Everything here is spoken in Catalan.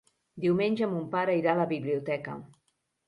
Diumenge mon pare irà a la biblioteca.